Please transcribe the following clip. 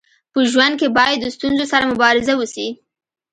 په ژوند کي باید د ستونزو سره مبارزه وسي.